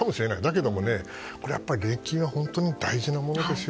だけども年金は本当に大事なものですよ。